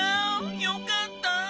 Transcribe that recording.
よかった！